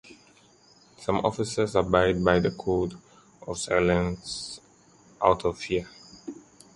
Some officers abide by the code of silence out of fear.